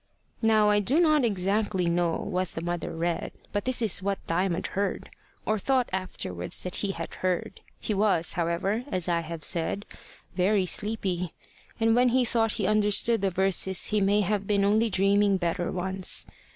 Now I do not exactly know what the mother read, but this is what Diamond heard, or thought afterwards that he had heard. He was, however, as I have said, very sleepy. And when he thought he understood the verses he may have been only dreaming better ones.